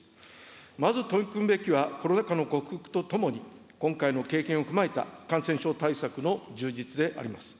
まず取り組むべきは、コロナ禍の克服とともに、今回の経験を踏まえた感染症対策の充実であります。